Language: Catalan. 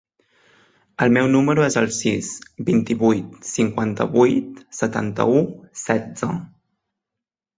El meu número es el sis, vint-i-vuit, cinquanta-vuit, setanta-u, setze.